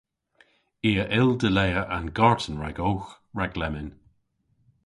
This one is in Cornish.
I a yll dilea an garten ragowgh rag lemmyn.